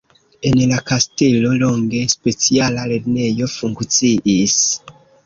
En la kastelo longe speciala lernejo funkciis.